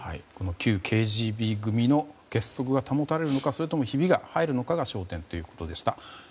この旧ＫＧＢ組の結束が保たれるのかそれとも、ひびが入るのかが焦点ということでした。